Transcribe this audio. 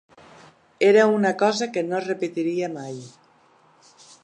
Era una cosa que no repetiria mai.